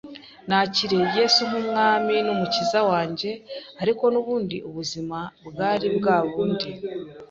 nakiriye Yesu nk’umwami n’umukiza wanjye ariko nubundi ubuzima bwari bwa bundi